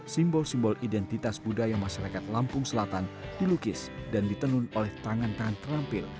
simbol simbol identitas budaya masyarakat lampung selatan dilukis dan ditenun oleh tangan tangan terampil